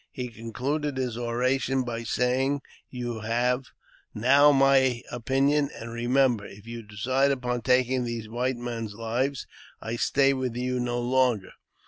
He concluded his oration by saying, " You have now my opinion, and remember, if you decide upon taking these white men's lives, I stay with you no longer."